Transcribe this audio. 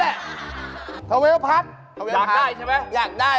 ทาเวลพัสทาเวลพัสอยากได้ใช่ไหมครับอยากได้ค่ะอยากได้